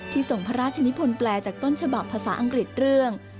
ส่งพระราชนิพลแปลจากต้นฉบับภาษาอังกฤษเรื่อง